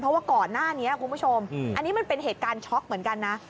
เพราะว่าก่อนหน้านี้คุณผู้ชมอันนี้มันเป็นเหตุการณ์ช็อกเหมือนกันนะ